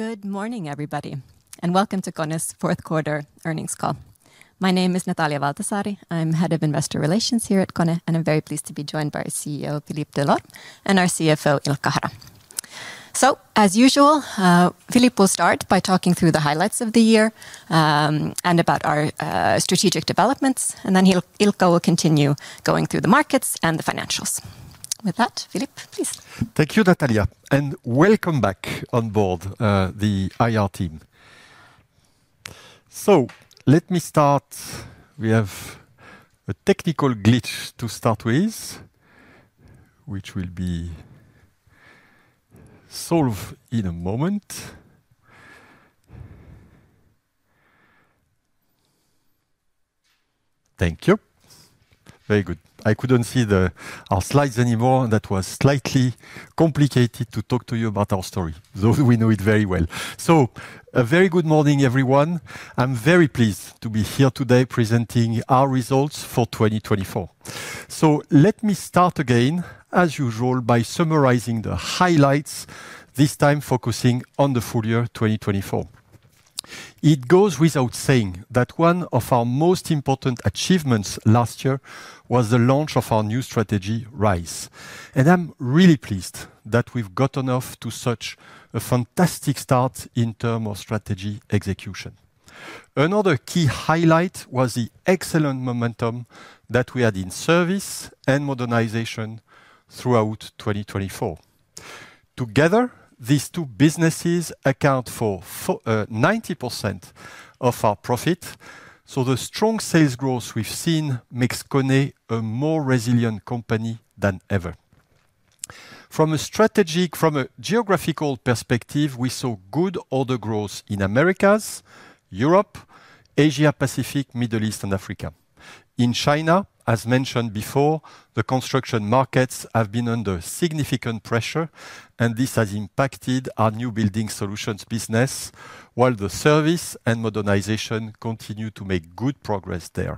Good morning, everybody, and welcome to KONE's fourth quarter earnings call. My name is Natalia Valtasaari. I'm head of investor relations here at KONE, and I'm very pleased to be joined by our CEO, Philippe Delorme, and our CFO, Ilkka Hara. So, as usual, Philippe will start by talking through the highlights of the year and about our strategic developments, and then Ilkka will continue going through the markets and the financials. With that, Philippe, please. Thank you, Natalia, and welcome back on board the IR team. So, let me start. We have a technical glitch to start with, which we'll be solving in a moment. Thank you. Very good. I couldn't see our slides anymore. That was slightly complicated to talk to you about our story, though we know it very well. So, a very good morning, everyone. I'm very pleased to be here today presenting our results for 2024. So, let me start again, as usual, by summarizing the highlights, this time focusing on the full year 2024. It goes without saying that one of our most important achievements last year was the launch of our new strategy, Rise. And I'm really pleased that we've gotten off to such a fantastic start in terms of strategy execution. Another key highlight was the excellent momentum that we had in service and modernization throughout 2024. Together, these two businesses account for 90% of our profit. So, the strong sales growth we've seen makes KONE a more resilient company than ever. From a geographical perspective, we saw good order growth in the Americas, Europe, Asia-Pacific, Middle East, and Africa. In China, as mentioned before, the construction markets have been under significant pressure, and this has impacted our new building solutions business, while the service and modernization continue to make good progress there.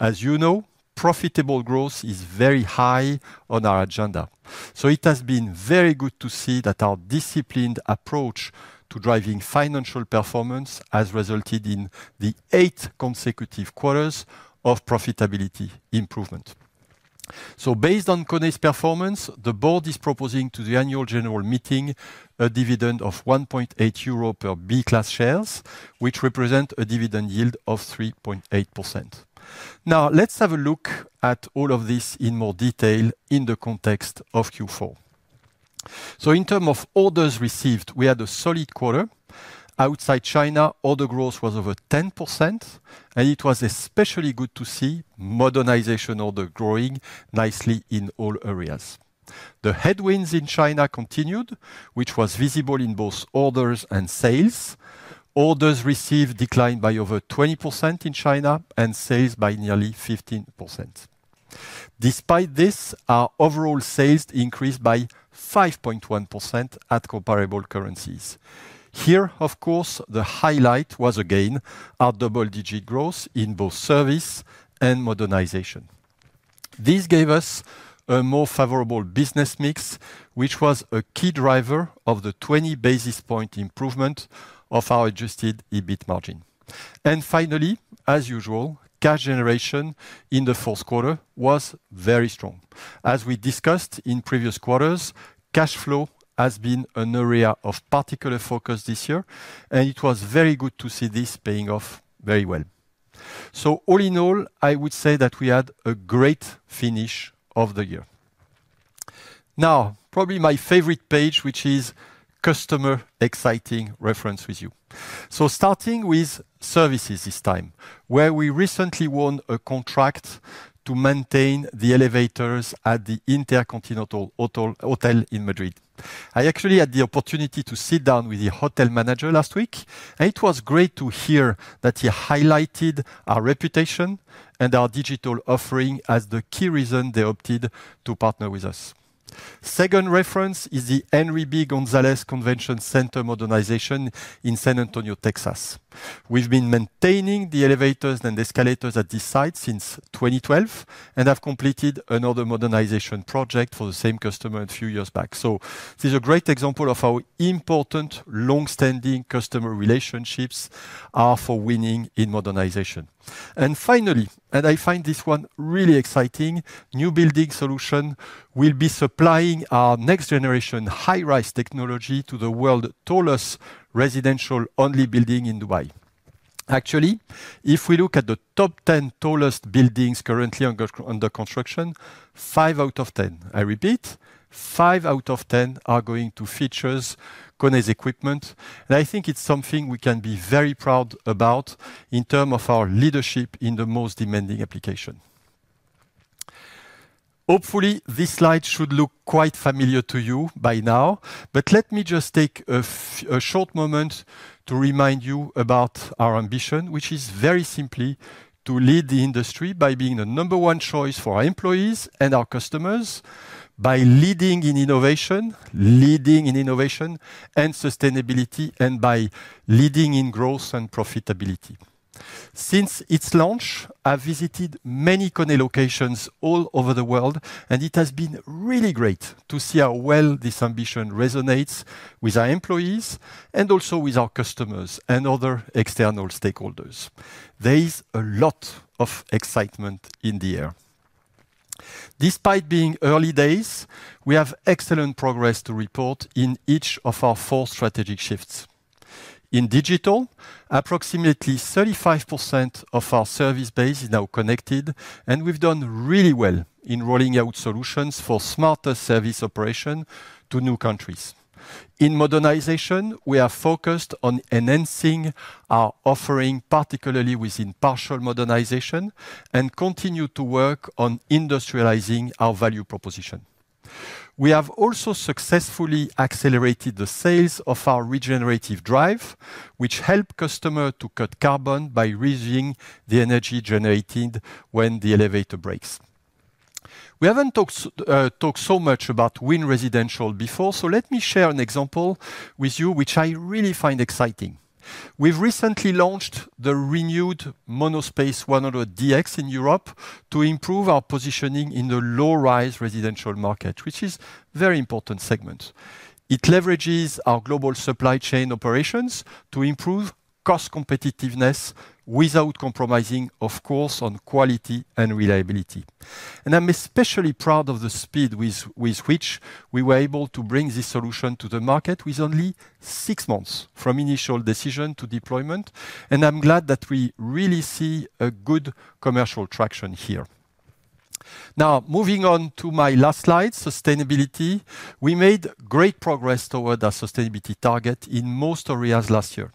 As you know, profitable growth is very high on our agenda. So, it has been very good to see that our disciplined approach to driving financial performance has resulted in the eighth consecutive quarters of profitability improvement. So, based on KONE's performance, the board is proposing to the annual general meeting a dividend of 1.80 euro per B-class shares, which represents a dividend yield of 3.8%. Now, let's have a look at all of this in more detail in the context of Q4. So, in terms of orders received, we had a solid quarter. Outside China, order growth was over 10%, and it was especially good to see modernization order growing nicely in all areas. The headwinds in China continued, which was visible in both orders and sales. Orders received declined by over 20% in China and sales by nearly 15%. Despite this, our overall sales increased by 5.1% at comparable currencies. Here, of course, the highlight was again our double-digit growth in both service and modernization. This gave us a more favorable business mix, which was a key driver of the 20 basis points improvement of our Adjusted EBIT margin. And finally, as usual, cash generation in the fourth quarter was very strong. As we discussed in previous quarters, cash flow has been an area of particular focus this year, and it was very good to see this paying off very well. So, all in all, I would say that we had a great finish of the year. Now, probably my favorite page, which is customer references with you. So, starting with services this time, where we recently won a contract to maintain the elevators at the InterContinental Hotel in Madrid. I actually had the opportunity to sit down with the hotel manager last week, and it was great to hear that he highlighted our reputation and our digital offering as the key reason they opted to partner with us. Second reference is the Henry B. González Convention Center modernization in San Antonio, Texas. We've been maintaining the elevators and escalators at this site since 2012 and have completed another modernization project for the same customer a few years back. So, this is a great example of how important long-standing customer relationships are for winning in modernization. And finally, and I find this one really exciting, New Building Solutions will be supplying our next-generation high-rise technology to the world's tallest residential-only building in Dubai. Actually, if we look at the top 10 tallest buildings currently under construction, 5 out of 10, I repeat, 5 out of 10 are going to feature KONE's equipment. And I think it's something we can be very proud about in terms of our leadership in the most demanding application. Hopefully, this slide should look quite familiar to you by now, but let me just take a short moment to remind you about our ambition, which is very simply to lead the industry by being the number one choice for our employees and our customers, by leading in innovation, leading in innovation and sustainability, and by leading in growth and profitability. Since its launch, I've visited many KONE locations all over the world, and it has been really great to see how well this ambition resonates with our employees and also with our customers and other external stakeholders. There is a lot of excitement in the air. Despite being early days, we have excellent progress to report in each of our four strategic shifts. In digital, approximately 35% of our service base is now connected, and we've done really well in rolling out solutions for smarter service operation to new countries. In modernization, we are focused on enhancing our offering, particularly within partial modernization, and continue to work on industrializing our value proposition. We have also successfully accelerated the sales of our regenerative drive, which helps customers to cut carbon by reducing the energy generated when the elevator brakes. We haven't talked so much about new residential before, so let me share an example with you, which I really find exciting. We've recently launched the renewed MonoSpace 100 DX in Europe to improve our positioning in the low-rise residential market, which is a very important segment. It leverages our global supply chain operations to improve cost competitiveness without compromising, of course, on quality and reliability. And I'm especially proud of the speed with which we were able to bring this solution to the market with only six months from initial decision to deployment, and I'm glad that we really see a good commercial traction here. Now, moving on to my last slide, sustainability, we made great progress toward our sustainability target in most areas last year.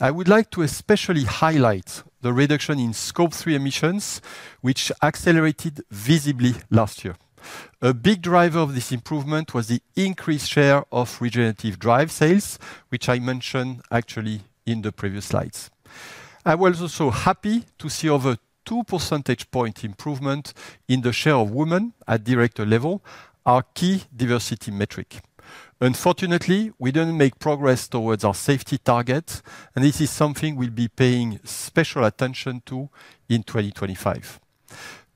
I would like to especially highlight the reduction in Scope 3 emissions, which accelerated visibly last year. A big driver of this improvement was the increased share of regenerative drive sales, which I mentioned actually in the previous slides. I was also happy to see over a two percentage point improvement in the share of women at director level, our key diversity metric. Unfortunately, we didn't make progress towards our safety target, and this is something we'll be paying special attention to in 2025.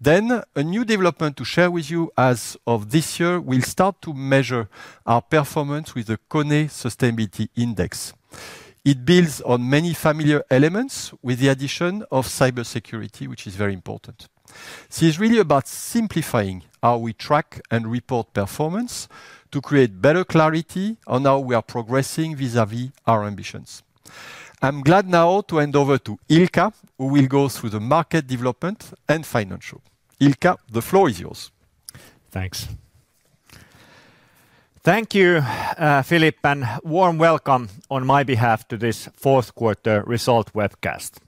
Then, a new development to share with you as of this year, we'll start to measure our performance with the KONE Sustainability Index. It builds on many familiar elements with the addition of cybersecurity, which is very important. This is really about simplifying how we track and report performance to create better clarity on how we are progressing vis-à-vis our ambitions. I'm glad now to hand over to Ilkka, who will go through the market development and financial. Ilkka, the floor is yours. Thanks. Thank you, Philippe, and warm welcome on my behalf to this fourth quarter result webcast.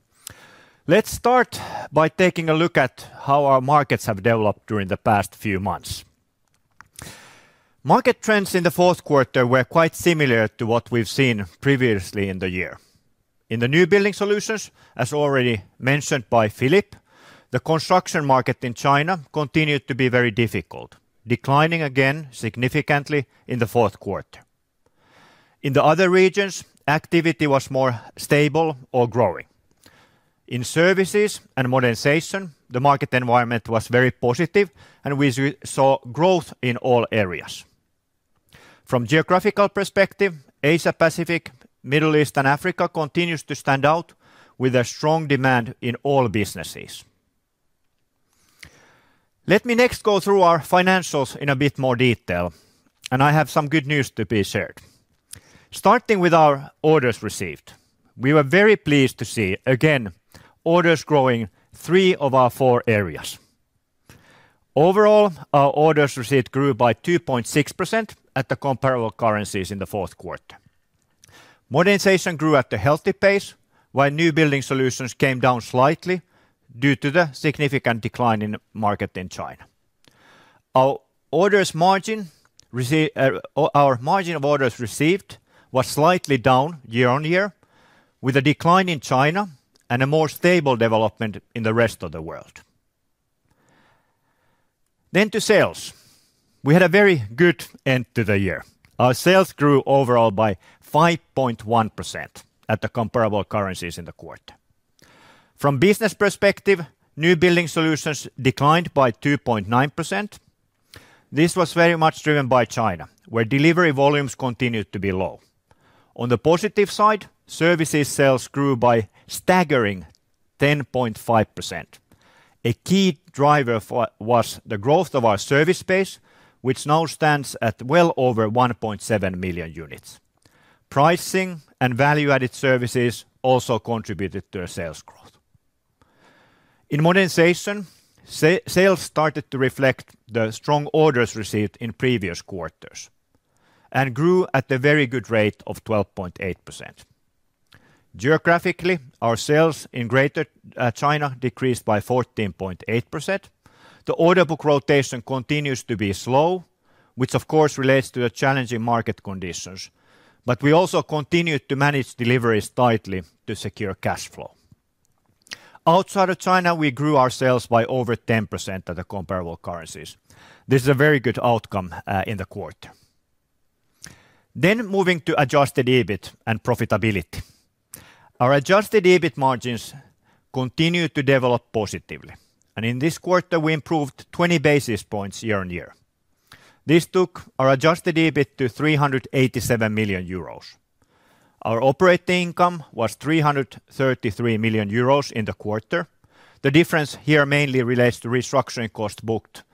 Let's start by taking a look at how our markets have developed during the past few months. Market trends in the fourth quarter were quite similar to what we've seen previously in the year. In the new building solutions, as already mentioned by Philippe, the construction market in China continued to be very difficult, declining again significantly in the fourth quarter. In the other regions, activity was more stable or growing. In services and modernization, the market environment was very positive, and we saw growth in all areas. From a geographical perspective, Asia-Pacific, Middle East, and Africa continues to stand out with a strong demand in all businesses. Let me next go through our financials in a bit more detail, and I have some good news to be shared. Starting with our orders received, we were very pleased to see, again, orders growing in three of our four areas. Overall, our orders received grew by 2.6% at the comparable currencies in the fourth quarter. Modernization grew at a healthy pace, while new building solutions came down slightly due to the significant decline in the market in China. Our margin of orders received was slightly down year on year, with a decline in China and a more stable development in the rest of the world. Then to sales. We had a very good end to the year. Our sales grew overall by 5.1% at the comparable currencies in the quarter. From a business perspective, new building solutions declined by 2.9%. This was very much driven by China, where delivery volumes continued to be low. On the positive side, services sales grew by a staggering 10.5%. A key driver was the growth of our service base, which now stands at well over 1.7 million units. Pricing and value-added services also contributed to our sales growth. In modernization, sales started to reflect the strong orders received in previous quarters and grew at a very good rate of 12.8%. Geographically, our sales in Greater China decreased by 14.8%. The order book rotation continues to be slow, which, of course, relates to the challenging market conditions, but we also continued to manage deliveries tightly to secure cash flow. Outside of China, we grew our sales by over 10% at the comparable currencies. This is a very good outcome in the quarter. Then moving to adjusted EBIT and profitability. Our adjusted EBIT margins continued to develop positively, and in this quarter, we improved 20 basis points year on year. This took our adjusted EBIT to 387 million euros. Our operating income was 333 million euros in the quarter. The difference here mainly relates to restructuring costs booked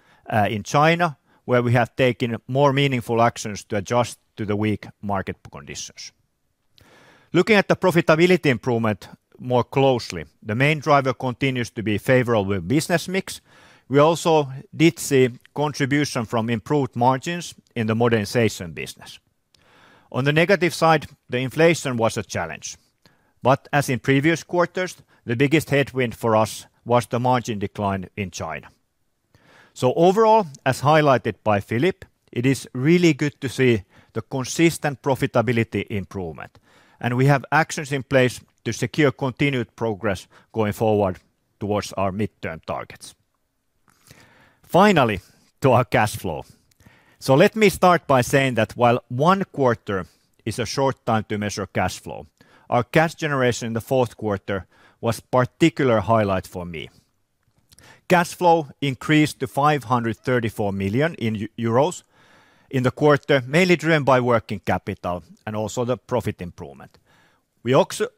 in China, where we have taken more meaningful actions to adjust to the weak market conditions. Looking at the profitability improvement more closely, the main driver continues to be a favorable business mix. We also did see contribution from improved margins in the modernization business. On the negative side, the inflation was a challenge, but as in previous quarters, the biggest headwind for us was the margin decline in China. So overall, as highlighted by Philippe, it is really good to see the consistent profitability improvement, and we have actions in place to secure continued progress going forward towards our midterm targets. Finally, to our cash flow. So let me start by saying that while one quarter is a short time to measure cash flow, our cash generation in the fourth quarter was a particular highlight for me. Cash flow increased to 534 million euros in the quarter, mainly driven by working capital and also the profit improvement. We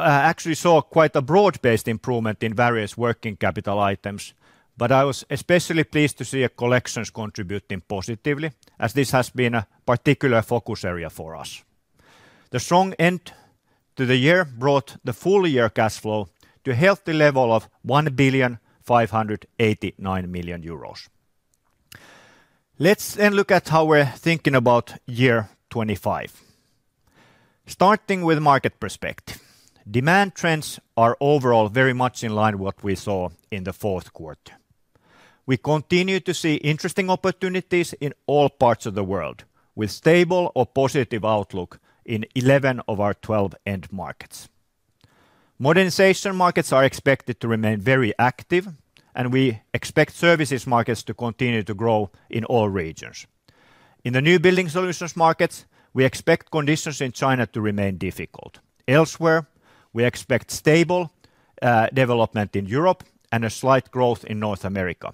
actually saw quite a broad-based improvement in various working capital items, but I was especially pleased to see collections contributing positively, as this has been a particular focus area for us. The strong end to the year brought the full year cash flow to a healthy level of 1,589 million euros. Let's then look at how we're thinking about year 25. Starting with market perspective, demand trends are overall very much in line with what we saw in the fourth quarter. We continue to see interesting opportunities in all parts of the world, with stable or positive outlook in 11 of our 12 end markets. Modernization markets are expected to remain very active, and we expect services markets to continue to grow in all regions. In the new building solutions markets, we expect conditions in China to remain difficult. Elsewhere, we expect stable development in Europe and a slight growth in North America.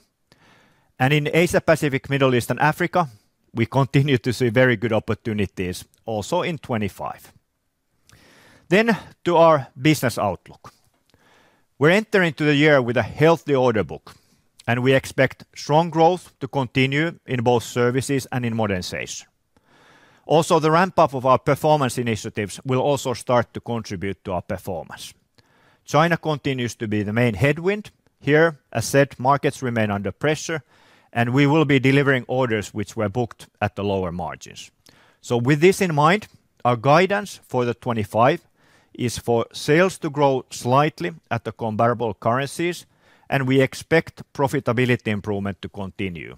And in Asia-Pacific, Middle East, and Africa, we continue to see very good opportunities also in 2025. Then to our business outlook. We're entering the year with a healthy order book, and we expect strong growth to continue in both services and in modernization. Also, the ramp-up of our performance initiatives will also start to contribute to our performance. China continues to be the main headwind. Here, as said, markets remain under pressure, and we will be delivering orders which were booked at the lower margins. So with this in mind, our guidance for 2025 is for sales to grow slightly at the comparable currencies, and we expect profitability improvement to continue.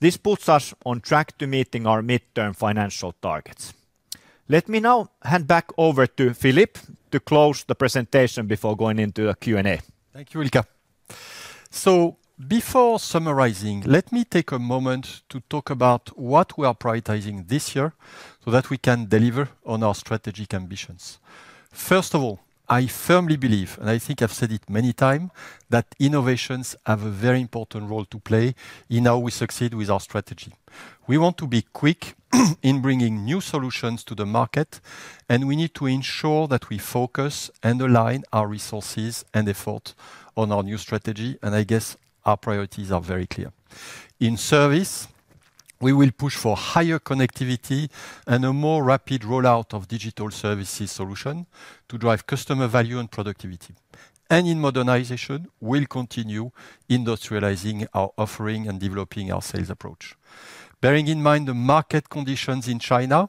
This puts us on track to meeting our midterm financial targets. Let me now hand back over to Philippe to close the presentation before going into the Q&A. Thank you, Ilkka. So before summarizing, let me take a moment to talk about what we are prioritizing this year so that we can deliver on our strategic ambitions. First of all, I firmly believe, and I think I've said it many times, that innovations have a very important role to play in how we succeed with our strategy. We want to be quick in bringing new solutions to the market, and we need to ensure that we focus and align our resources and efforts on our new strategy, and I guess our priorities are very clear. In service, we will push for higher connectivity and a more rapid rollout of digital services solutions to drive customer value and productivity. And in modernization, we'll continue industrializing our offering and developing our sales approach. Bearing in mind the market conditions in China,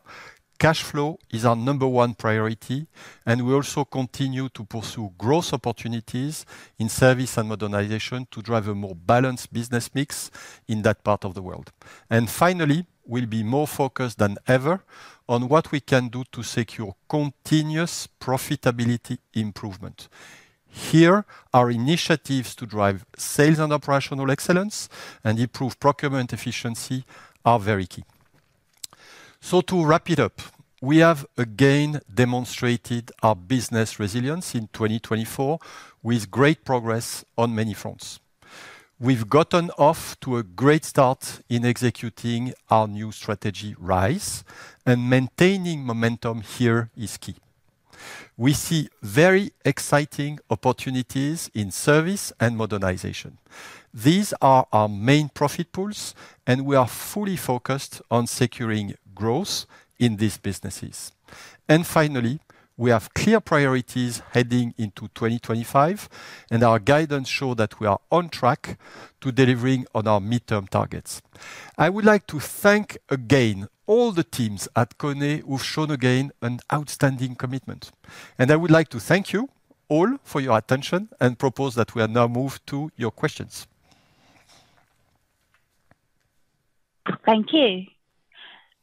cash flow is our number one priority, and we also continue to pursue growth opportunities in service and modernization to drive a more balanced business mix in that part of the world, and finally, we'll be more focused than ever on what we can do to secure continuous profitability improvement. Here, our initiatives to drive sales and operational excellence and improve procurement efficiency are very key, so to wrap it up, we have again demonstrated our business resilience in 2024 with great progress on many fronts. We've gotten off to a great start in executing our new strategy, RISE, and maintaining momentum here is key. We see very exciting opportunities in service and modernization. These are our main profit pools, and we are fully focused on securing growth in these businesses. Finally, we have clear priorities heading into 2025, and our guidance shows that we are on track to delivering on our midterm targets. I would like to thank again all the teams at KONE who've shown again an outstanding commitment. I would like to thank you all for your attention and propose that we now move to your questions. Thank you.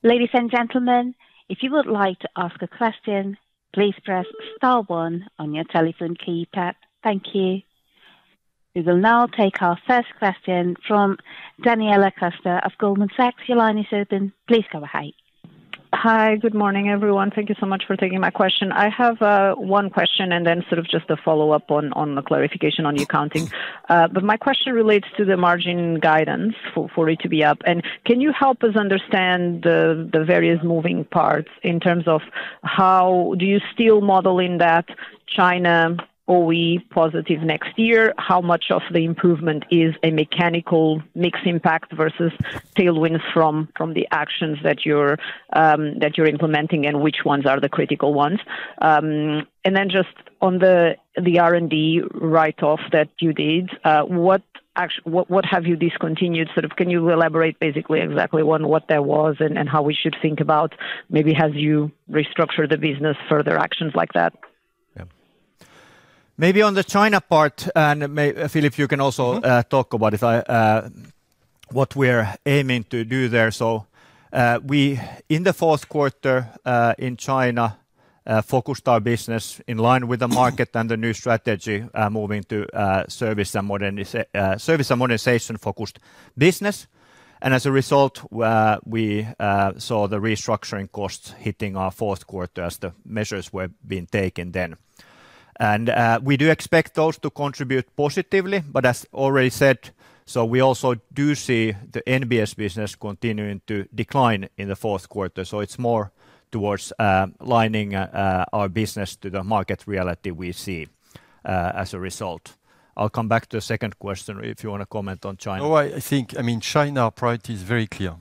Ladies and gentlemen, if you would like to ask a question, please press *1 on your telephone keypad. Thank you. We will now take our first question from Daniela Costa of Goldman Sachs. Your line is open. Please go ahead. Hi, good morning, everyone. Thank you so much for taking my question. I have one question and then sort of just a follow-up on the clarification on the accounting. But my question relates to the margin guidance for it to be up. And can you help us understand the various moving parts in terms of how do you still model in that China OE positive next year? How much of the improvement is a mechanical mix impact versus tailwinds from the actions that you're implementing and which ones are the critical ones? And then just on the R&D write-off that you did, what have you discontinued? Sort of can you elaborate basically exactly on what that was and how we should think about maybe as you restructure the business, further actions like that? Yeah. Maybe on the China part, and Philippe, you can also talk about what we're aiming to do there. So we, in the fourth quarter in China, focused our business in line with the market and the new strategy moving to service and modernization-focused business. And as a result, we saw the restructuring costs hitting our fourth quarter as the measures were being taken then. And we do expect those to contribute positively, but as already said, so we also do see the NBS business continuing to decline in the fourth quarter. So it's more towards aligning our business to the market reality we see as a result. I'll come back to the second question if you want to comment on China. Oh, I think, I mean, China priority is very clear.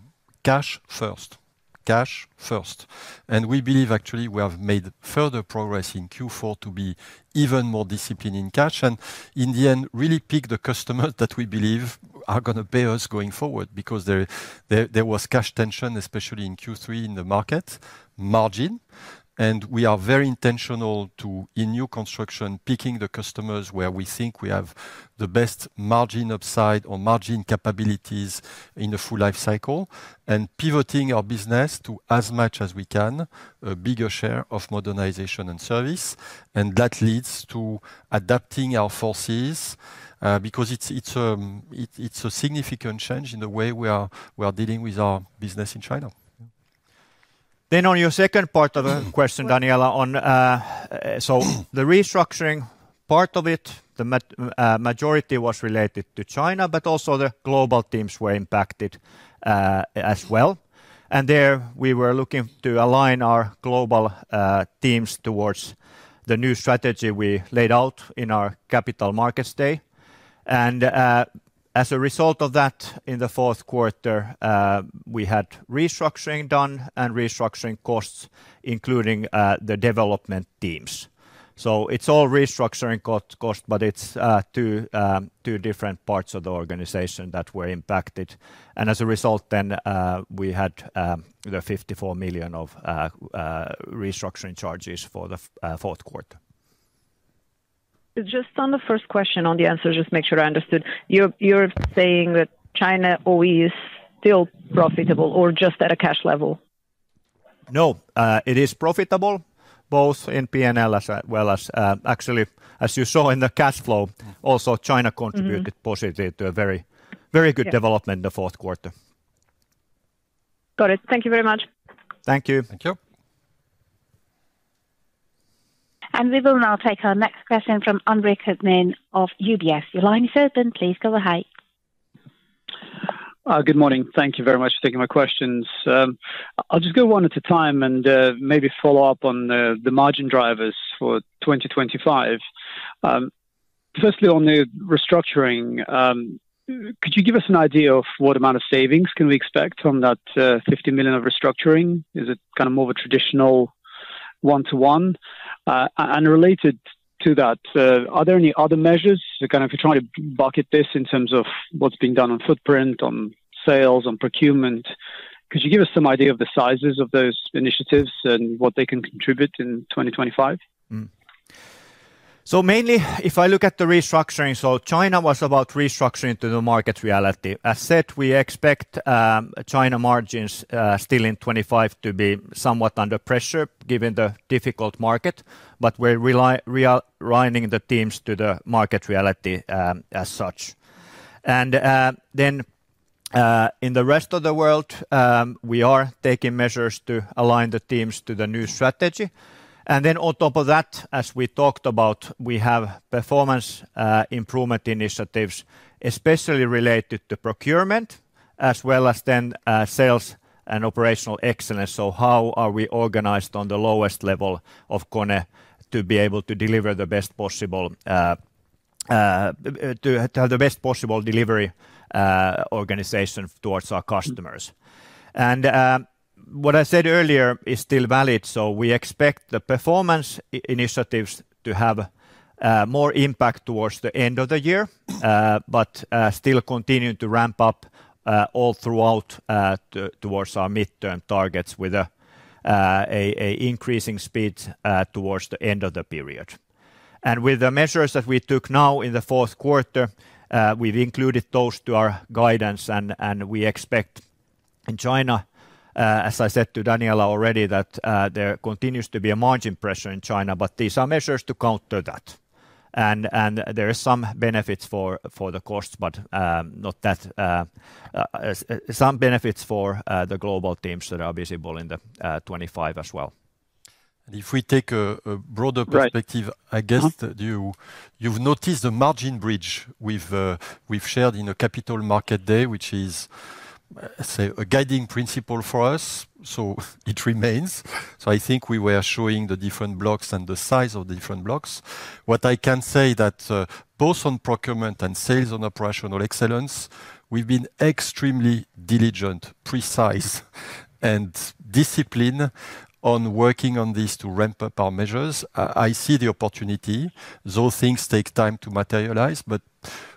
Cash first. Cash first. And we believe actually we have made further progress in Q4 to be even more disciplined in cash and in the end really pick the customers that we believe are going to pay us going forward because there was cash tension, especially in Q3 in the market margin. And we are very intentional to, in new construction, picking the customers where we think we have the best margin upside or margin capabilities in the full life cycle and pivoting our business to, as much as we can, a bigger share of modernization and service. And that leads to adapting our forces because it's a significant change in the way we are dealing with our business in China. Then on your second part of the question, Daniela, on so the restructuring part of it, the majority was related to China, but also the global teams were impacted as well. And there we were looking to align our global teams towards the new strategy we laid out in our Capital Markets Day. And as a result of that, in the fourth quarter, we had restructuring done and restructuring costs, including the development teams. So it's all restructuring costs, but it's two different parts of the organization that were impacted. And as a result, then we had 54 million of restructuring charges for the fourth quarter. Just on the first question, on the answer, just to make sure I understood, you're saying that China OE is still profitable or just at a cash level? No, it is profitable both in P&L as well as actually, as you saw in the cash flow, also China contributed positively to a very good development in the fourth quarter. Got it. Thank you very much. Thank you. Thank you. And we will now take our next question from Andre Kukhnin of UBS. Your line is open. Please go ahead. Good morning. Thank you very much for taking my questions. I'll just go one at a time and maybe follow up on the margin drivers for 2025. Firstly, on the restructuring, could you give us an idea of what amount of savings can we expect from that 50 million of restructuring? Is it kind of more of a traditional one-to-one? And related to that, are there any other measures? Kind of if you're trying to bucket this in terms of what's being done on footprint, on sales, on procurement, could you give us some idea of the sizes of those initiatives and what they can contribute in 2025? So mainly, if I look at the restructuring, so China was about restructuring to the market reality. As said, we expect China margins still in 2025 to be somewhat under pressure given the difficult market, but we're aligning the teams to the market reality as such, and then in the rest of the world, we are taking measures to align the teams to the new strategy, and then on top of that, as we talked about, we have performance improvement initiatives, especially related to procurement, as well as then sales and operational excellence, so how are we organized on the lowest level of KONE to be able to deliver the best possible delivery organization towards our customers, and what I said earlier is still valid. We expect the performance initiatives to have more impact towards the end of the year, but still continue to ramp up all throughout towards our midterm targets with an increasing speed towards the end of the period. With the measures that we took now in the fourth quarter, we have included those to our guidance, and we expect in China, as I said to Daniela already, that there continues to be a margin pressure in China, but these are measures to counter that. There are some benefits for the costs, but not that some benefits for the global teams that are visible in the 25 as well. And if we take a broader perspective, I guess you've noticed the margin bridge we've shared in the capital market day, which is a guiding principle for us, so it remains. So I think we were showing the different blocks and the size of the different blocks. What I can say is that both on procurement and sales and operational excellence, we've been extremely diligent, precise, and disciplined on working on this to ramp up our measures. I see the opportunity, though things take time to materialize, but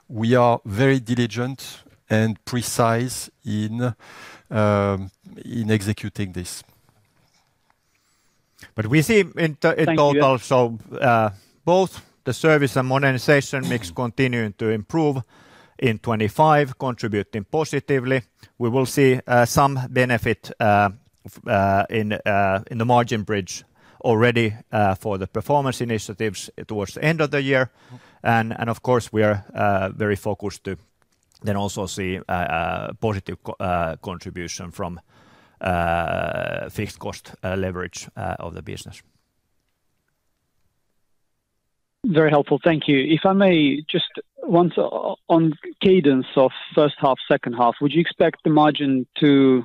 we are very diligent and precise in executing this. But we see in total so both the service and modernization mix continuing to improve in 2025, contributing positively. We will see some benefit in the margin bridge already for the performance initiatives towards the end of the year. And of course, we are very focused to then also see positive contribution from fixed cost leverage of the business. Very helpful. Thank you. If I may just once on cadence of first half, second half, would you expect the margin to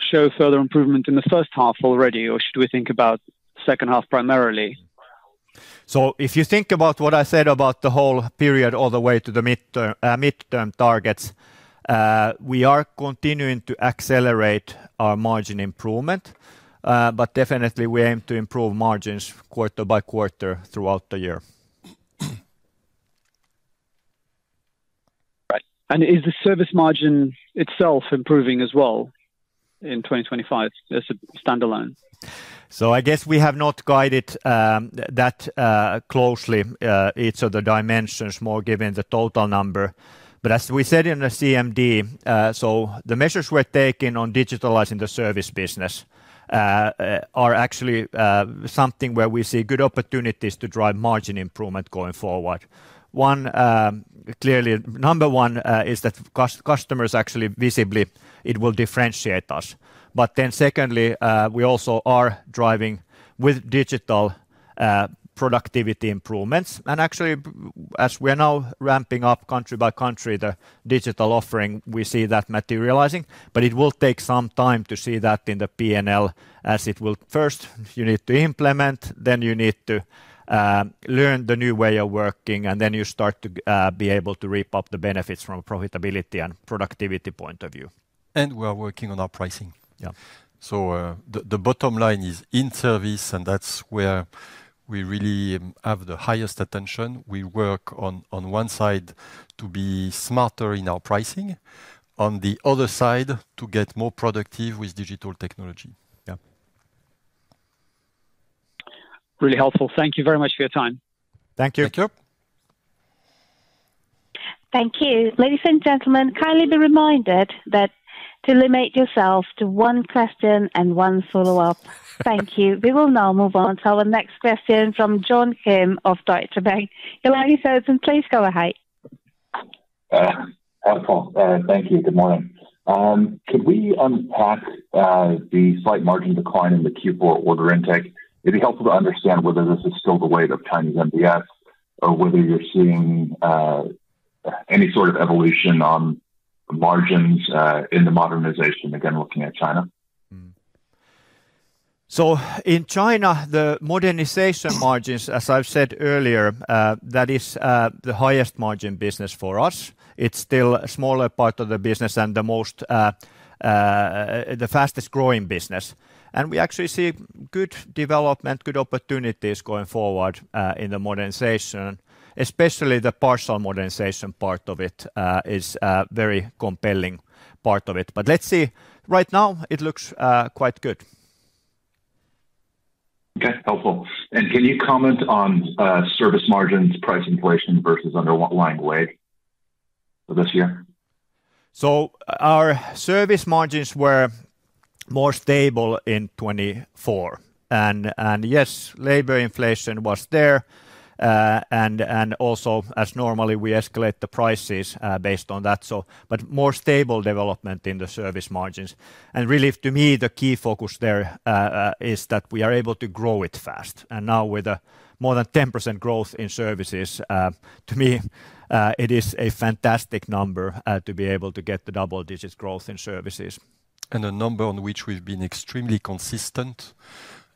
show further improvement in the first half already, or should we think about second half primarily? So if you think about what I said about the whole period all the way to the midterm targets, we are continuing to accelerate our margin improvement, but definitely we aim to improve margins quarter by quarter throughout the year. Right. And is the service margin itself improving as well in 2025 as a stand alone? I guess we have not guided that closely each of the dimensions more given the total number. As we said in the CMD, the measures we're taking on digitalizing the service business are actually something where we see good opportunities to drive margin improvement going forward. One, clearly, number one is that customers actually visibly it will differentiate us. Then secondly, we also are driving with digital productivity improvements. Actually, as we are now ramping up country by country the digital offering, we see that materializing, but it will take some time to see that in the P&L as it will. First, you need to implement, then you need to learn the new way of working, and then you start to be able to reap up the benefits from a profitability and productivity point of view. We are working on our pricing. Yeah. The bottom line is in service, and that's where we really have the highest attention. We work on one side to be smarter in our pricing, on the other side to get more productive with digital technology. Yeah. Really helpful. Thank you very much for your time. Thank you. Thank you. Thank you. Ladies and gentlemen, kindly be reminded that to limit yourself to one question and one follow-up, thank you. We will now move on to our next question from John Kim of Deutsche Bank. Hilary Sørensen, please go ahead. Thank you. Good morning. Could we unpack the slight margin decline in the Q4 order intake? It'd be helpful to understand whether this is still the weight of Chinese NBS or whether you're seeing any sort of evolution on margins in the modernization, again, looking at China? So in China, the modernization margins, as I've said earlier, that is the highest margin business for us. It's still a smaller part of the business and the fastest growing business. And we actually see good development, good opportunities going forward in the modernization, especially the partial modernization part of it is a very compelling part of it. But let's see, right now it looks quite good. Okay, helpful. And can you comment on service margins, price inflation versus underlying weight for this year? So our service margins were more stable in 2024. And yes, labor inflation was there. And also, as normally, we escalate the prices based on that. But more stable development in the service margins. And really, to me, the key focus there is that we are able to grow it fast. And now with more than 10% growth in services, to me, it is a fantastic number to be able to get the double-digit growth in services. A number on which we've been extremely consistent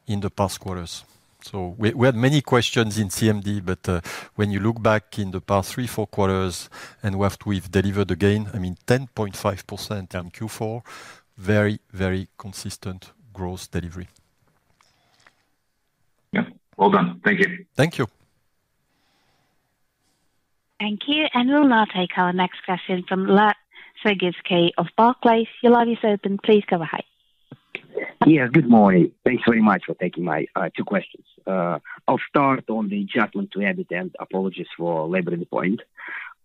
in the past quarters. We had many questions in CMD, but when you look back in the past three, four quarters and what we've delivered again, I mean, 10.5% in Q4, very, very consistent gross delivery. Yeah. Well done. Thank you. Thank you. Thank you. And we will now take our next question from Vladimir Sergievski of Barclays. Hilary Sørensen, please go ahead. Yeah, good morning. Thanks very much for taking my two questions. I'll start on the adjustment to EBITDA and apologies for laboring the point.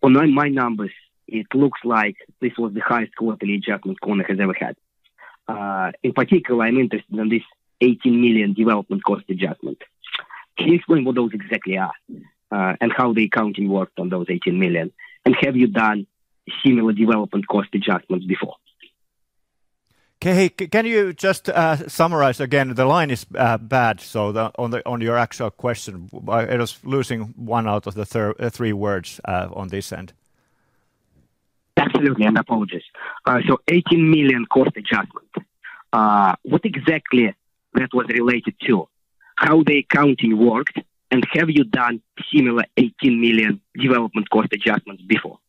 On my numbers, it looks like this was the highest quarterly adjustment KONE has ever had. In particular, I'm interested in this 18 million development cost adjustment. Can you explain what those exactly are and how the accounting worked on those 18 million? And have you done similar development cost adjustments before? Can you just summarize again? The line is bad. So on your actual question, I was losing one out of the three words on this end. Absolutely. And apologies. So 18 million cost adjustment, what exactly that was related to? How the accounting worked? And have you done similar 18 million development cost adjustments before?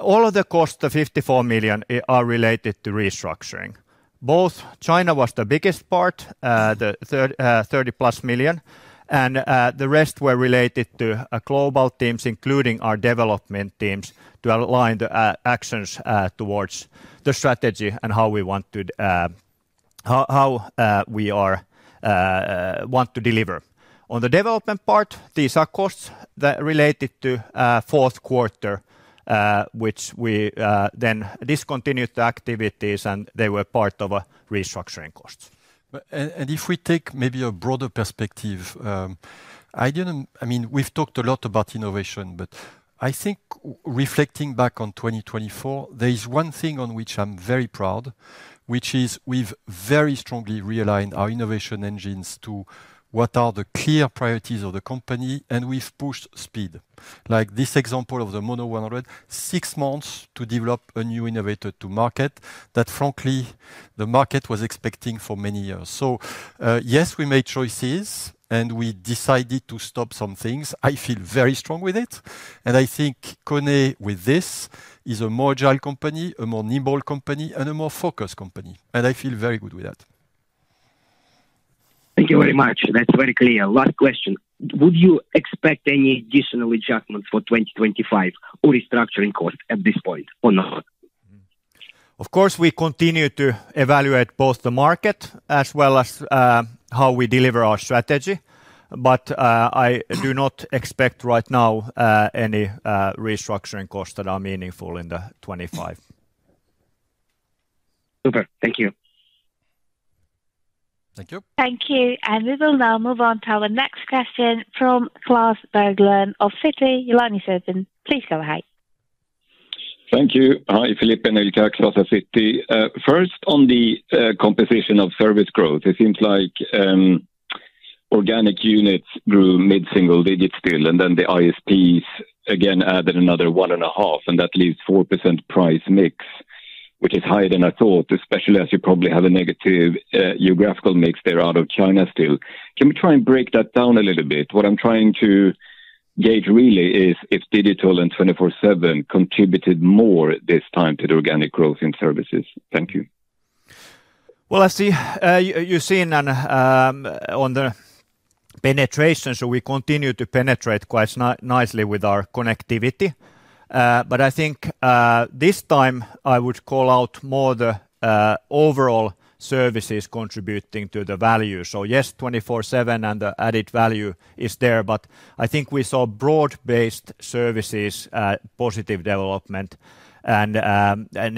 All of the costs, the 54 million, are related to restructuring. Both China was the biggest part, the 30-plus million, and the rest were related to global teams, including our development teams, to align the actions towards the strategy and how we want to deliver. On the development part, these are costs related to fourth quarter, which we then discontinued the activities, and they were part of restructuring costs. If we take maybe a broader perspective, I mean, we've talked a lot about innovation, but I think reflecting back on 2024, there is one thing on which I'm very proud, which is we've very strongly realigned our innovation engines to what are the clear priorities of the company, and we've pushed speed. Like this example of the Mono 100, six months to develop a new innovation to market that, frankly, the market was expecting for many years. So yes, we made choices, and we decided to stop some things. I feel very strong with it. I think KONE, with this, is a more agile company, a more nimble company, and a more focused company. I feel very good with that. Thank you very much. That's very clear. Last question. Would you expect any additional adjustment for 2025 or restructuring cost at this point or not? Of course, we continue to evaluate both the market as well as how we deliver our strategy, but I do not expect right now any restructuring costs that are meaningful in 2025. Super. Thank you. Thank you. Thank you. And we will now move on to our next Klas Bergelind of citi. Hilary Sørensen, please go ahead. Thank you. Hi, Philippe and Ilkka, Klas at Citi. First, on the composition of service growth, it seems like organic units grew mid-single digit still, and then the ISPs again added another one and a half, and that leaves 4% price mix, which is higher than I thought, especially as you probably have a negative geographical mix there out of China still. Can we try and break that down a little bit? What I'm trying to gauge really is if digital and 24/7 contributed more this time to the organic growth in services. Thank you. I see you've seen on the penetration, so we continue to penetrate quite nicely with our connectivity. But I think this time I would call out more the overall services contributing to the value. So yes, 24/7 and the added value is there, but I think we saw broad-based services positive development, and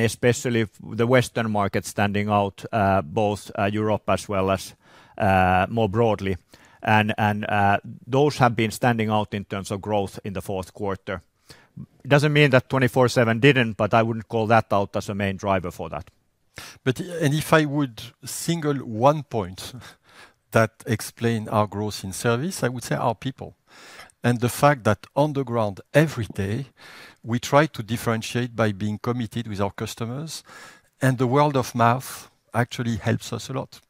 especially the Western market standing out, both Europe as well as more broadly. And those have been standing out in terms of growth in the fourth quarter. It doesn't mean that 24/7 didn't, but I wouldn't call that out as a main driver for that. But if I would single one point that explains our growth in service, I would say our people. And the fact that on the ground every day, we try to differentiate by being committed with our customers, and the word of mouth actually helps us a lot.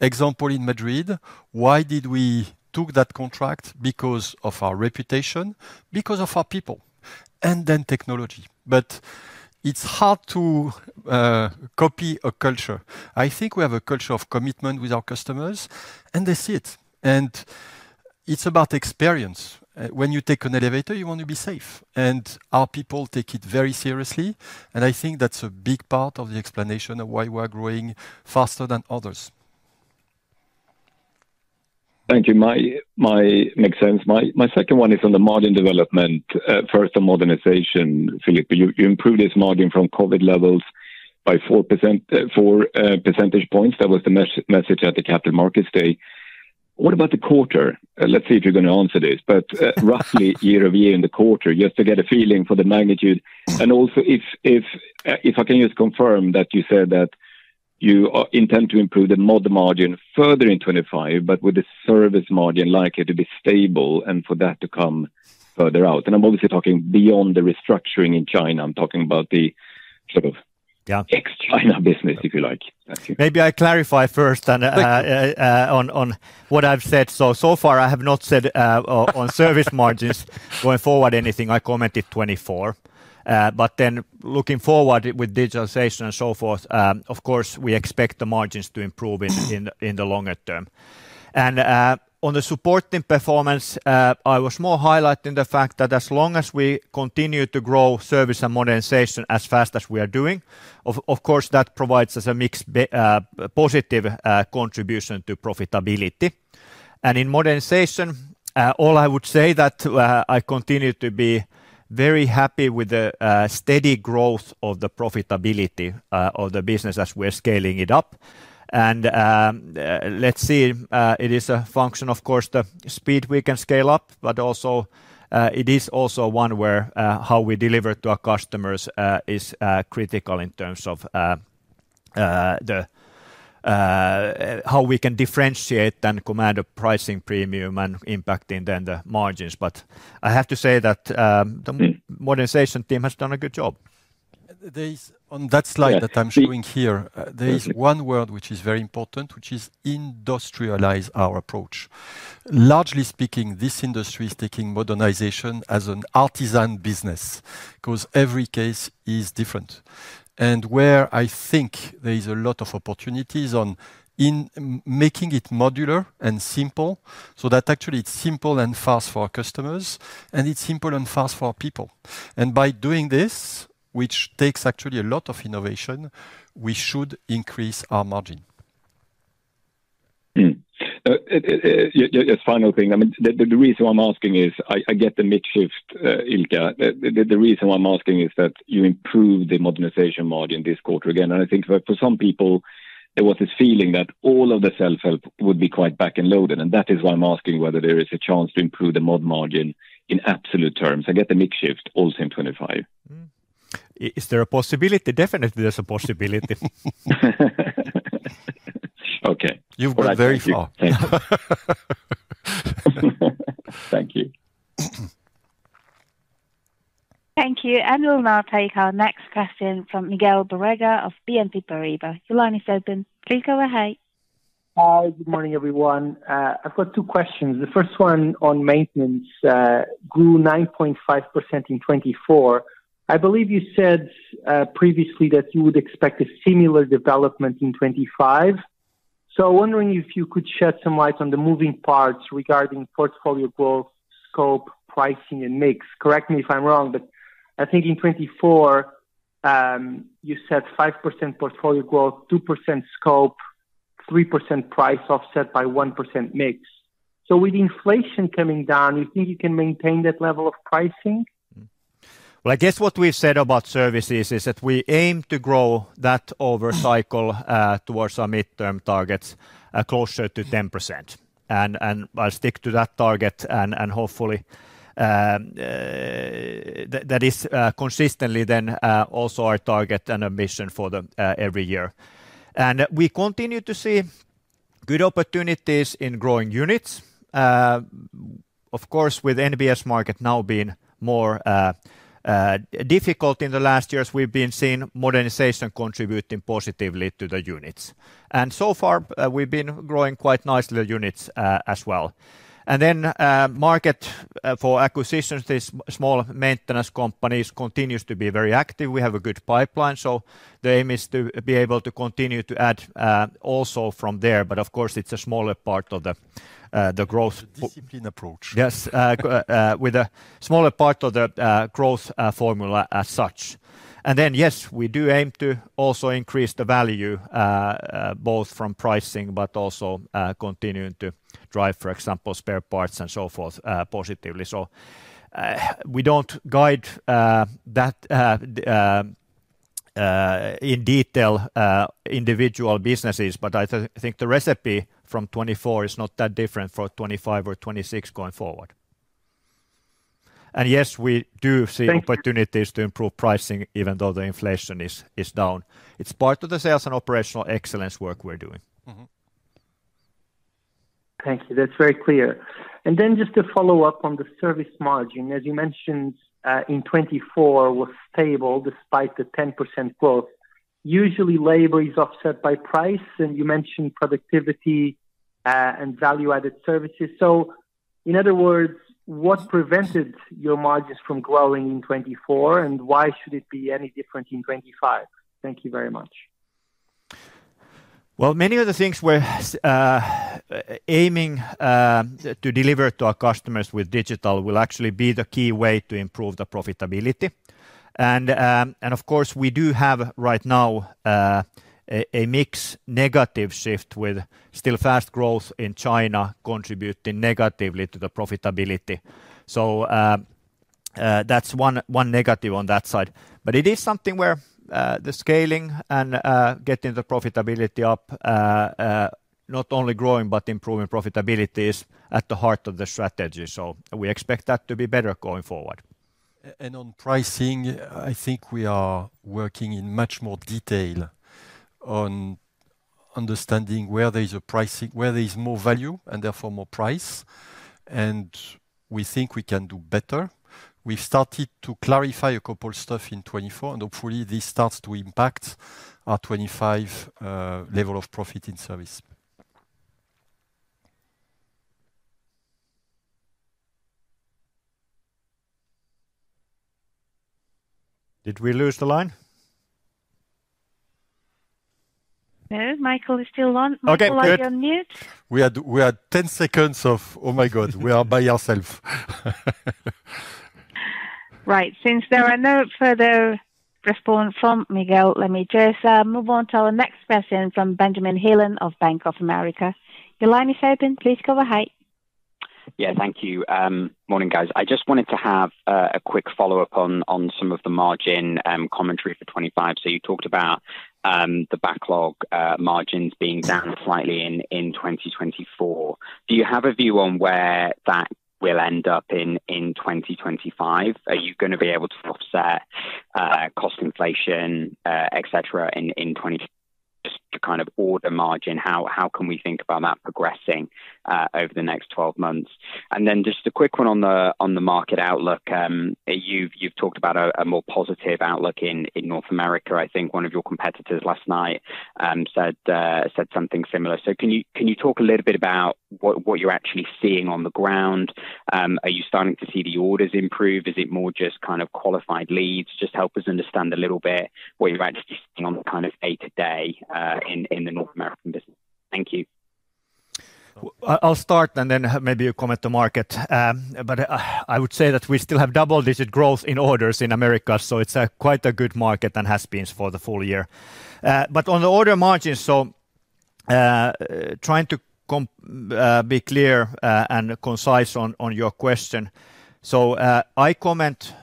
Example in Madrid, why did we take that contract? Because of our reputation, because of our people, and then technology. But it's hard to copy a culture. I think we have a culture of commitment with our customers, and they see it. And it's about experience. When you take an elevator, you want to be safe. And our people take it very seriously. And I think that's a big part of the explanation of why we are growing faster than others. Thank you. My second one is on the margin development. First, on modernization, Filippo, you improved this margin from COVID levels by four percentage points. That was the message at the capital markets day. What about the quarter? Let's see if you're going to answer this, but roughly year over year in the quarter, just to get a feeling for the magnitude. And also, if I can just confirm that you said that you intend to improve the mod margin further in 2025, but with the service margin likely to be stable and for that to come further out. And I'm obviously talking beyond the restructuring in China. I'm talking about the sort of ex-China business, if you like. Maybe I clarify first on what I've said. So far, I have not said on service margins going forward anything. I commented 24. But then looking forward with digitalization and so forth, of course, we expect the margins to improve in the longer term. And on the service performance, I was more highlighting the fact that as long as we continue to grow service and modernization as fast as we are doing, of course, that provides us a mix positive contribution to profitability. And in modernization, all I would say that I continue to be very happy with the steady growth of the profitability of the business as we're scaling it up. Let's see, it is a function, of course, the speed we can scale up, but also it is one where how we deliver to our customers is critical in terms of how we can differentiate and command a pricing premium and impacting then the margins. But I have to say that the modernization team has done a good job. On that slide that I'm showing here, there is one word which is very important, which is industrialize our approach. Largely speaking, this industry is taking modernization as an artisan business because every case is different, and where I think there is a lot of opportunities on making it modular and simple so that actually it's simple and fast for our customers, and it's simple and fast for our people, and by doing this, which takes actually a lot of innovation, we should increase our margin. Just final thing. The reason why I'm asking is I get the mixed shift, Ilkka. The reason why I'm asking is that you improved the modernization margin this quarter again. And I think for some people, there was this feeling that all of the self-help would be quite back-loaded. And that is why I'm asking whether there is a chance to improve the mod margin in absolute terms. I get the mixed shift also in 25. Is there a possibility? Definitely, there's a possibility. Okay. You've gone very far. Thank you. Thank you. And we'll now take our next question from Miguel Borrega of BNP Paribas. Hilary Sørensen, please go ahead. Hi, good morning, everyone. I've got two questions. The first one on maintenance grew 9.5% in 2024. I believe you said previously that you would expect a similar development in 2025, so I'm wondering if you could shed some light on the moving parts regarding portfolio growth, scope, pricing, and mix. Correct me if I'm wrong, but I think in 2024, you said 5% portfolio growth, 2% scope, 3% price offset by 1% mix, so with inflation coming down, you think you can maintain that level of pricing? Well, I guess what we've said about services is that we aim to grow that over cycle towards our midterm targets closer to 10%. And I'll stick to that target, and hopefully, that is consistently then also our target and ambition for every year. And we continue to see good opportunities in growing units. Of course, with NBS market now being more difficult in the last years, we've been seeing modernization contributing positively to the units. And so far, we've been growing quite nicely the units as well. And then market for acquisitions, these small maintenance companies, continues to be very active. We have a good pipeline. So the aim is to be able to continue to add also from there. But of course, it's a smaller part of the growth. It's a disciplined approach. Yes, with a smaller part of the growth formula as such. And then, yes, we do aim to also increase the value both from pricing, but also continuing to drive, for example, spare parts and so forth positively. So we don't guide that in detail individual businesses, but I think the recipe from 2024 is not that different for 2025 or 2026 going forward. And yes, we do see opportunities to improve pricing even though the inflation is down. It's part of the sales and operational excellence work we're doing. Thank you. That's very clear and then just to follow up on the service margin, as you mentioned, in 2024 was stable despite the 10% growth. Usually, labor is offset by price, and you mentioned productivity and value-added services, so in other words, what prevented your margins from growing in 2024, and why should it be any different in 2025? Thank you very much. Many of the things we're aiming to deliver to our customers with digital will actually be the key way to improve the profitability. And of course, we do have right now a mixed negative shift with still fast growth in China contributing negatively to the profitability. So that's one negative on that side. But it is something where the scaling and getting the profitability up, not only growing, but improving profitability is at the heart of the strategy. So we expect that to be better going forward. And on pricing, I think we are working in much more detail on understanding where there is a pricing, where there is more value and therefore more price. And we think we can do better. We've started to clarify a couple of stuff in 2024, and hopefully, this starts to impact our 2025 level of profit in service. Did we lose the line? No, Michael is still on. Okay, good. While you're mute. We had 10 seconds of, "oh my God, we are by ourselves. Right. Since there are no further response from Miguel, let me just move on to our next question from Benjamin Heelan of Bank of America. Hilary Sørensen, please go ahead. Yeah, thank you. Morning, guys. I just wanted to have a quick follow-up on some of the margin commentary for 25. So you talked about the backlog margins being down slightly in 2024. Do you have a view on where that will end up in 2025? Are you going to be able to offset cost inflation, etc., in 2024? Just to kind of order margin, how can we think about that progressing over the next 12 months? And then just a quick one on the market outlook. You've talked about a more positive outlook in North America. I think one of your competitors last night said something similar. So can you talk a little bit about what you're actually seeing on the ground? Are you starting to see the orders improve? Is it more just kind of qualified leads? Just help us understand a little bit what you're actually seeing on the kind of day-to-day in the North American business. Thank you. I'll start, and then maybe you comment on the market, but I would say that we still have double-digit growth in orders in the Americas, so it's quite a good market and has been for the full year, but on the order margins, trying to be clear and concise on your question, so commenting on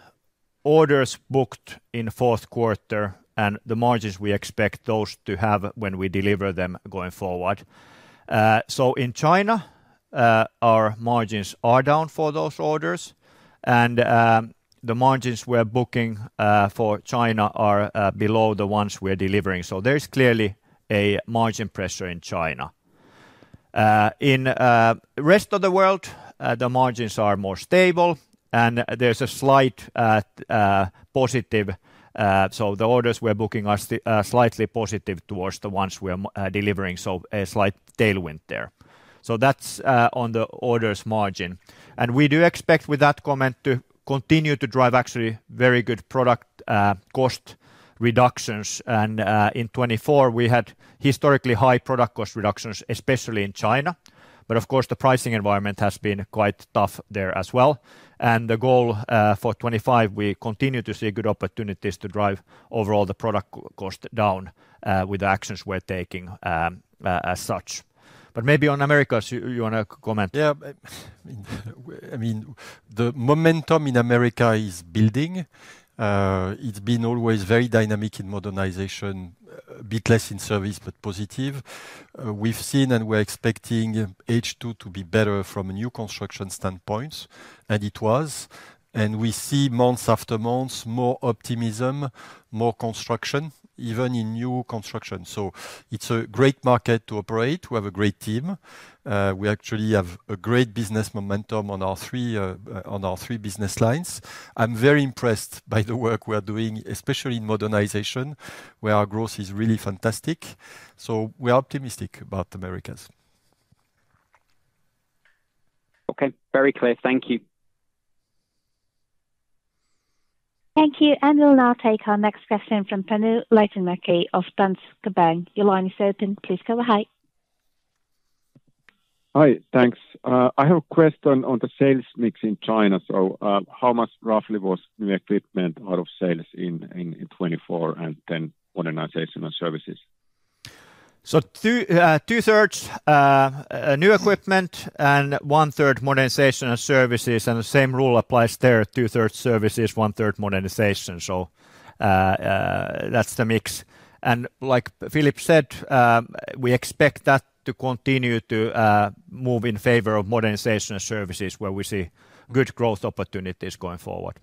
orders booked in fourth quarter and the margins we expect those to have when we deliver them going forward, so in China, our margins are down for those orders, and the margins we're booking for China are below the ones we're delivering, so there is clearly a margin pressure in China, in the rest of the world, the margins are more stable, and there's a slight positive, so the orders we're booking are slightly positive towards the ones we're delivering, so a slight tailwind there, so that's on the orders margin. And we do expect with that comment to continue to drive actually very good product cost reductions. And in 2024, we had historically high product cost reductions, especially in China. But of course, the pricing environment has been quite tough there as well. And the goal for 2025, we continue to see good opportunities to drive overall the product cost down with the actions we're taking as such. But maybe on America, you want to comment? Yeah. I mean, the momentum in Americas is building. It's been always very dynamic in modernization, a bit less in service, but positive. We've seen and we're expecting H2 to be better from a new construction standpoint, and it was. And we see month after month, more optimism, more construction, even in new construction. So it's a great market to operate. We have a great team. We actually have a great business momentum on our three business lines. I'm very impressed by the work we're doing, especially in modernization, where our growth is really fantastic. So we're optimistic about Americas. Okay, very clear. Thank you. Thank you. And we'll now take our next question from Panu Laitinmäki of Danske Bank. Your line is open. Please go ahead. Hi, thanks. I have a question on the sales mix in China, so how much roughly was new equipment out of sales in 2024 and then modernization and services? Two-thirds new equipment and one-third modernization and services. The same rule applies there, two-thirds services, one-third modernization. That's the mix. Like Philippe said, we expect that to continue to move in favor of modernization and services, where we see good growth opportunities going forward.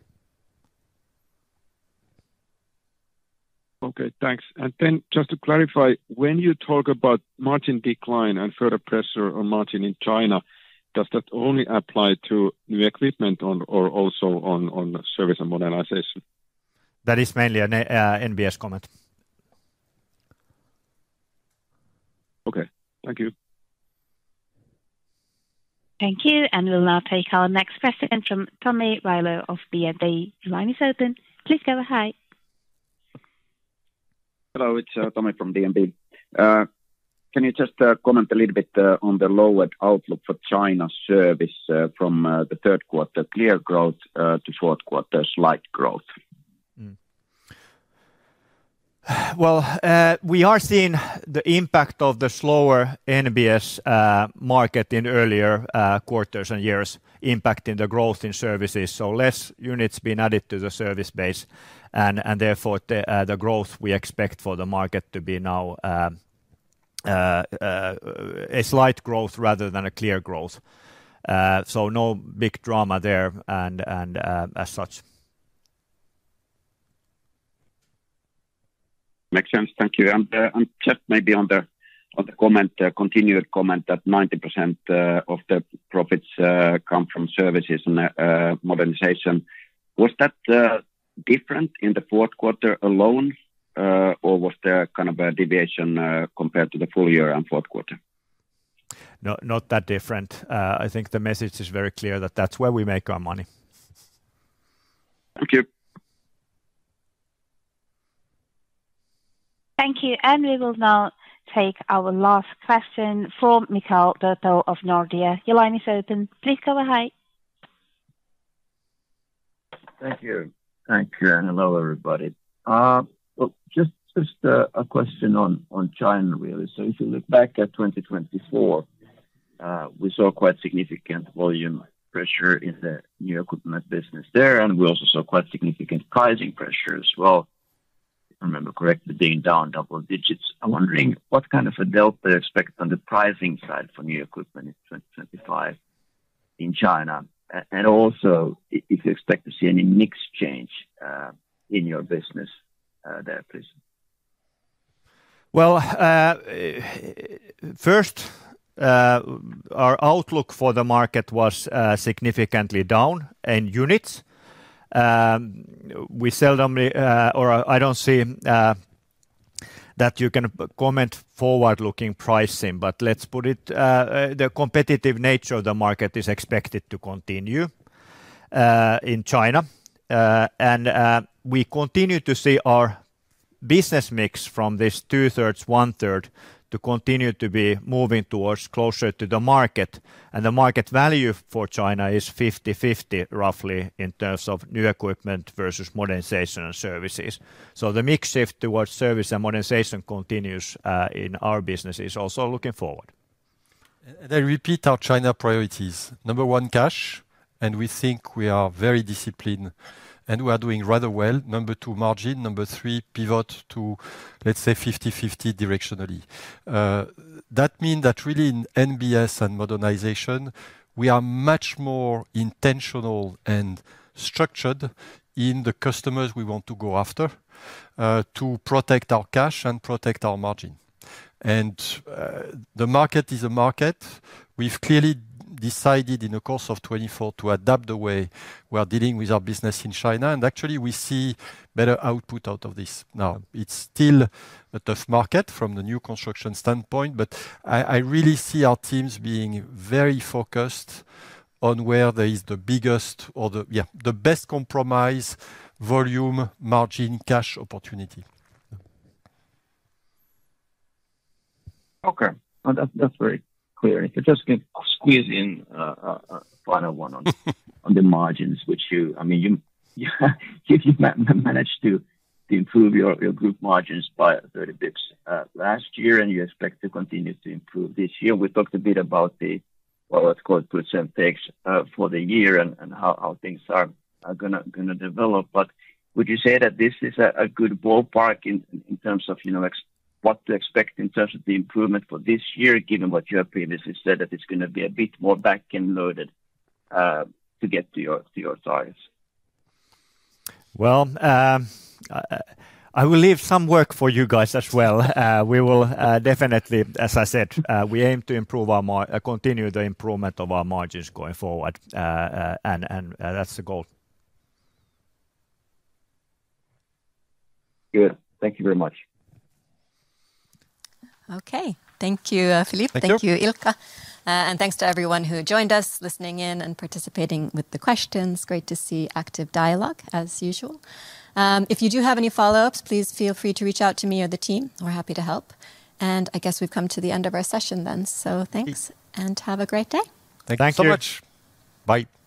Okay, thanks. And then just to clarify, when you talk about margin decline and further pressure on margin in China, does that only apply to new equipment or also on service and modernization? That is mainly an NBS comment. Okay, thank you. Thank you. And we'll now take our next question from Tomi Railo of DNB. Your line is open. Please go ahead. Hello, it's Tomi from DNB. Can you just comment a little bit on the lowered outlook for China's service from the third quarter, clear growth to fourth quarter, slight growth? We are seeing the impact of the slower NBS market in earlier quarters and years impacting the growth in services. So less units being added to the service base and therefore the growth we expect for the market to be now a slight growth rather than a clear growth. So no big drama there and as such. Makes sense. Thank you, and just maybe on the continued comment that 90% of the profits come from services and modernization. Was that different in the fourth quarter alone or was there kind of a deviation compared to the full year and fourth quarter? Not that different. I think the message is very clear that that's where we make our money. Thank you. Thank you, and we will now take our last question from Mikael Doepel of Nordea. Your line is open. Please go ahead. Thank you. Thank you. And hello, everybody. Just a question on China, really. So if you look back at 2024, we saw quite significant volume pressure in the new equipment business there, and we also saw quite significant pricing pressure as well. If I remember correctly, being down double digits. I'm wondering what kind of a delta you expect on the pricing side for new equipment in 2025 in China. And also, if you expect to see any mix change in your business there, please. First, our outlook for the market was significantly down in units. We seldom, or I don't see that you can comment forward-looking pricing, but let's put it, the competitive nature of the market is expected to continue in China, and we continue to see our business mix from this two-thirds, one-third to continue to be moving towards closer to the market, and the market value for China is 50-50, roughly, in terms of new equipment versus modernization and services, so the mix shift towards service and modernization continues in our business, also looking forward. I repeat our China priorities. Number one, cash. Number two, margin. Number three, pivot to, let's say, 50-50 directionally. That means that really in NBS and modernization, we are much more intentional and structured in the customers we want to go after to protect our cash and protect our margin. The market is a market. We've clearly decided in the course of 2024 to adapt the way we're dealing with our business in China. Actually, we see better output out of this. Now, it's still a tough market from the new construction standpoint, but I really see our teams being very focused on where there is the biggest or the best compromise volume margin cash opportunity. Okay, that's very clear. If you just can squeeze in a final one on the margins, which you, I mean, you managed to improve your group margins by 30 basis points last year, and you expect to continue to improve this year. We talked a bit about the, well, let's puts and takes for the year and how things are going to develop. But would you say that this is a good ballpark in terms of what to expect in terms of the improvement for this year, given what you have previously said, that it's going to be a bit more back-end loaded to get to your targets? I will leave some work for you guys as well. We will definitely, as I said, we aim to continue the improvement of our margins going forward, and that's the goal. Good. Thank you very much. Okay, thank you, Philippe. Thank you, Ilkka. And thanks to everyone who joined us, listening in and participating with the questions. Great to see active dialogue as usual. If you do have any follow-ups, please feel free to reach out to me or the team. We're happy to help. And I guess we've come to the end of our session then. So thanks and have a great day. Thank you so much. Bye.